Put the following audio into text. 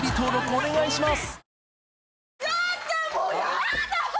お願いします